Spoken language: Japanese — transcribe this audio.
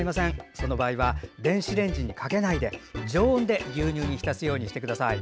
その場合は電子レンジにかけないで常温で牛乳に浸すようにしてください。